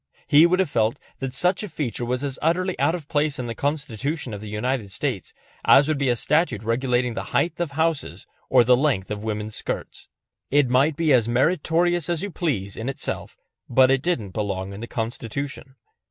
He would have felt that such a feature was as utterly out of place in the Constitution of the United States as would be a statute regulating the height of houses or the length of women's skirts. It might be as meritorious as you please in itself, but it didn't belong in the Constitution.